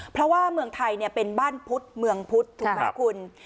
เพราะว่าเมืองไทยเป็นบ้านพุทธเมืองพุธถูกไหมคุณ